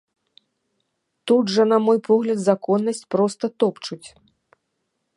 Тут жа, на мой погляд, законнасць проста топчуць.